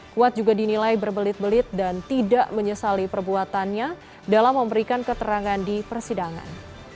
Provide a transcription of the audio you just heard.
kuat juga dinilai berbelit belit dan tidak menyesali perbuatannya dalam memberikan keterangan di persidangan